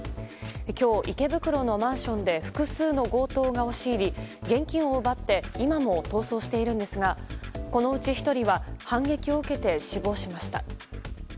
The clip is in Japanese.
今日、池袋のマンションで複数の強盗が押し入り現金を奪って今も逃走しているんですがこのうち１人は、反撃を受けて死亡しました。